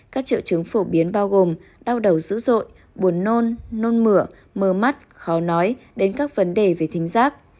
các triệu chứng phổ biến bao gồm đau đầu dữ dội buồn nôn nôn mửa mờ mắt khó nói đến các vấn đề về thính giác